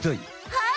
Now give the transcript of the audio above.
はい！